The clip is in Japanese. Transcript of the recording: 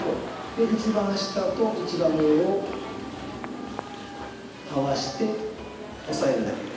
で一番下と一番上を合わして押さえるだけで。